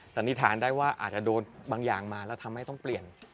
สันนิษฐานได้ว่าอาจจะโดนบางอย่างมาแล้วทำให้ต้องเปลี่ยน